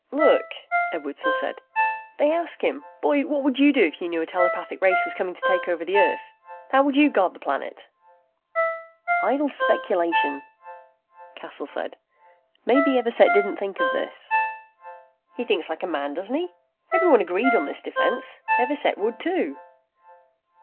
"Look," Edwardson said, "They ask him, 'Boy, what would you do if you knew a telepathic race was coming to take over Earth? How would you guard the planet?'" "Idle speculation," Cassel said. "Maybe Everset didn't think of this." "He thinks like a man, doesn't he? Everyone agreed on this defense. Everset would, too."